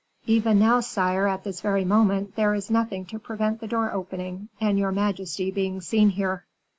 Even now, sire, at this very moment, there is nothing to prevent the door opening, and your majesty being seen here."